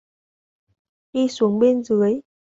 Đi xuống bên dưới